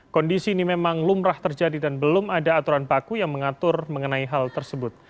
kondisi ini memang lumrah terjadi dan belum ada aturan baku yang mengatur mengenai hal tersebut